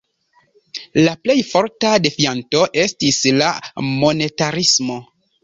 La plej forta defianto estis la monetarismo.